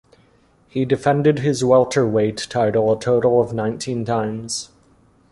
He defended his welterweight title a total of nineteen times.